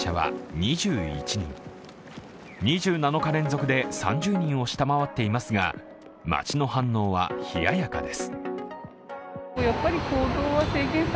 ２７日連続で３０人を下回っていますが街の反応は冷ややかです。